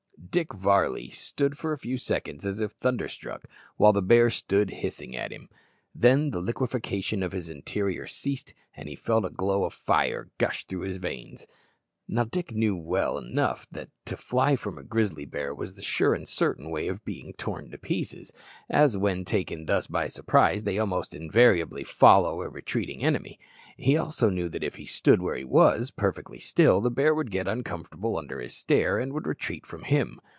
Dick Varley stood for a few seconds as if thunderstruck, while the bear stood hissing at him. Then the liquefaction of his interior ceased, and he felt a glow of fire gush through his veins. Now Dick knew well enough that to fly from a grizzly bear was the sure and certain way of being torn to pieces, as when taken thus by surprise they almost invariably follow a retreating enemy. He also knew that if he stood where he was, perfectly still, the bear would get uncomfortable under his stare, and would retreat from him.